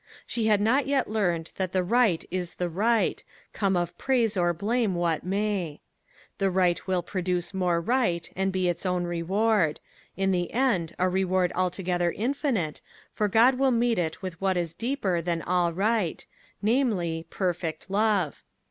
She had not yet learned that the right is the right, come of praise or blame what may. The right will produce more right and be its own reward in the end a reward altogether infinite, for God will meet it with what is deeper than all right, namely, perfect love.